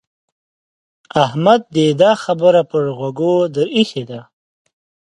احمد دې دا خبره پر غوږو در اېښې ده.